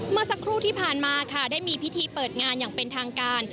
เมื่อสักครู่ที่ผ่านมาค่ะได้มีพิธีเปิดงานอย่างเป็นทางการ